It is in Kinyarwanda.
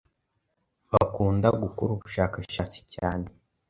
bakunda gukora ubushakashatsi cyane